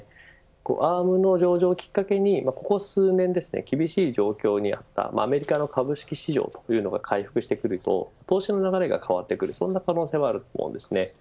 アームの上場きっかけにここ数年厳しい状況にあったアメリカの株式市場が回復してくると投資の流れが変わってくるそんな可能性があると思います。